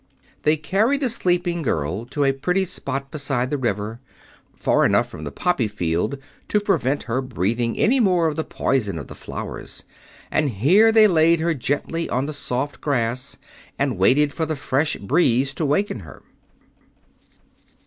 They carried the sleeping girl to a pretty spot beside the river, far enough from the poppy field to prevent her breathing any more of the poison of the flowers, and here they laid her gently on the soft grass and waited for the fresh breeze to waken her.